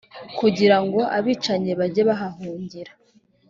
kugira ngo abicanyi bajye bahahungira.